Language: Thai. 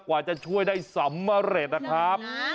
กว่าจะช่วยได้สำเร็จนะครับ